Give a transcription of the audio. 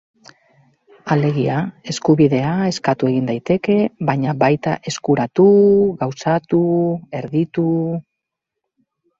Alegia, eskubidea eskatu egin daiteke, baina baita eskuratu, gauzatu, erditu...